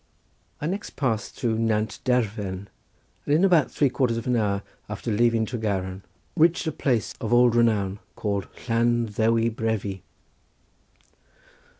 I next passed through Nant Derven, and in about three quarters of an hour after leaving Tregaron reached a place of old renown called Llan Ddewi Brefi.